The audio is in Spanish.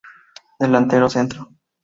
Delantero centro.